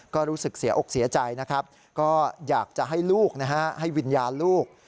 ก็รู้สึกเสียอกเสียใจก็อยากจะให้ลูกให้วิญญาณลูก